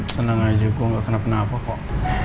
seneng aja gue nggak kena penah apa kok